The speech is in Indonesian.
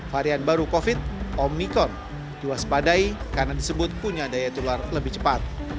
varian baru covid omnicon juas padai karena disebut punya daya tular lebih cepat